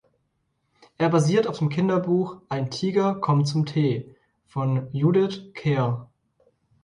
Er basiert auf dem Kinderbuch "Ein Tiger kommt zum Tee" von Judith Kerr.